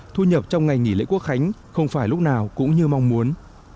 thu nhập trong ngày nghỉ lễ quốc khánh không phải lúc nào cũng như mong muốn